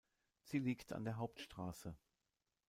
Sie liegt an der Hauptstraße.